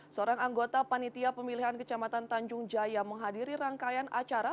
seorang anggota panitia pemilihan kecamatan tanjung jaya menghadiri rangkaian acara